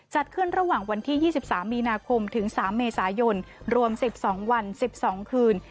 จัดขึ้นระหว่างวันที่๒๓มีนาคมถึง๓เมษายนรวม๑๒วัน๑๒คืน